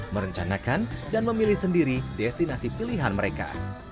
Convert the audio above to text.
merencanakan dan memilih sendiri destinasi pilihan mereka